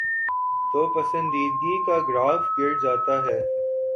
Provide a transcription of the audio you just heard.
توپسندیدگی کا گراف گر جاتا ہے۔